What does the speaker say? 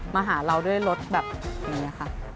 มาหาเราด้วยรถแบบนี้ค่ะ